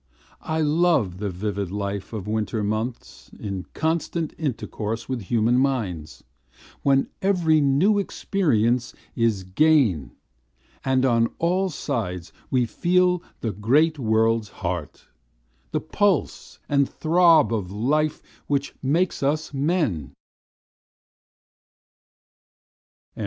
I love the vivid life of winter months In constant intercourse with human minds, When every new experience is gain And on all sides we feel the great world's heart; The pulse and throb of life which makes us men!